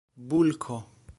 bulko